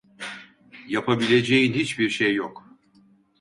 Yapabileceğin hiçbir şey yok.